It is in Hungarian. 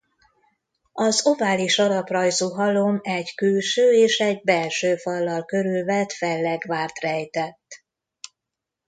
Az ovális alaprajzú halom egy külső és egy belső fallal körülvett fellegvárt rejtett.